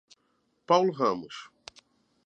Paulo Ramos